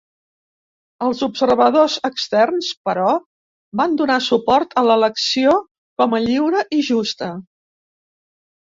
Els observadors externs, però, van donar suport a l'elecció com a lliure i justa.